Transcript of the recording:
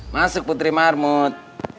masuk putri marmut